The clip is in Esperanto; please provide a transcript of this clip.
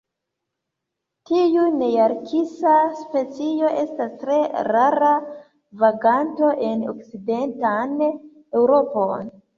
Tiu nearktisa specio estas tre rara vaganto en okcidentan Eŭropon.